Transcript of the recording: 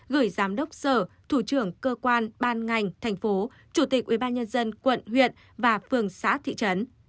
gửi giám đốc sở thủ trưởng cơ quan ban ngành thành phố chủ tịch ubnd quận huyện và phường xã thị trấn